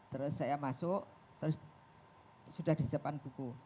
terus saya masuk terus sudah disiapkan buku